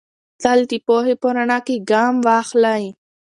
تل د پوهې په رڼا کې ګام واخلئ.